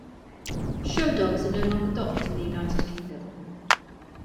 Show dogs are no longer docked in the United Kingdom.